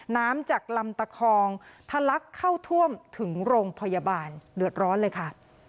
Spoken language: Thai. น้ำจากลำตะคองทะลักเข้าท่วมถึงโรงพยาบาลเดือดร้อนเลยค่ะ